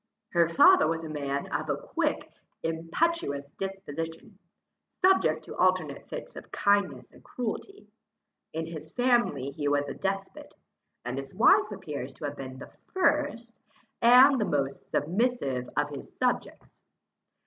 Her father was a man of a quick, impetuous disposition, subject to alternate fits of kindness and cruelty. In his family he was a despot, and his wife appears to have been the first, and most submissive of his subjects.